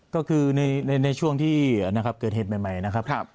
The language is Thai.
ก็คือในในในช่วงที่นะครับเกิดเหตุใหม่ใหม่นะครับครับ